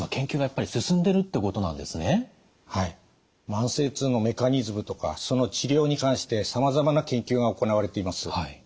慢性痛のメカニズムとかその治療に関してさまざまな研究が行われています。